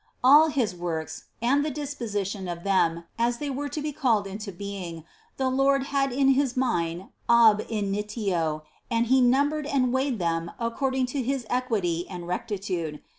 71. All his works, and the disposition of them, as they were to be called into being, the Lord had in his mind ab initio, and He numbered and weighed them according to his equity and rectitude.